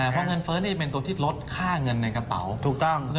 เพราะเงินเฟ้อนี่เป็นตัวที่ลดค่าเงินในกระเป๋าถูกต้อง